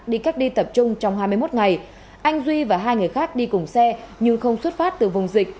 đi cách ly tập trung trong hai mươi một ngày anh duy và hai người khác đi cùng xe nhưng không xuất phát từ vùng dịch